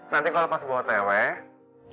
nanti kalau pas bawa tewe